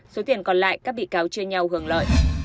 số tiền còn lại các bị cáo chia nhau hưởng lợi